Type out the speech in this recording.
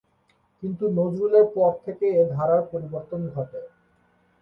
কিন্তু নজরুলের পর থেকে এ ধারার পরিবর্তন ঘটে।